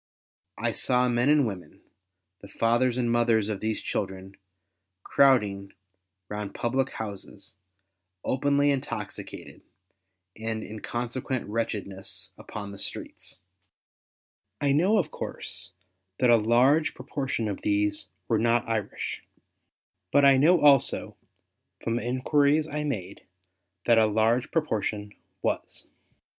I saw men and women, the fathers and mothers of these children, crowding round public houses, openly intoxicated, and in consequent wretchedness upon the streets. I know of course that a large proportion of these were not Irish, but I know also CATHOLIC TOTAL ABSTINENCE SOCIETY. 16 9 from inquiries I made, that a large proportion was.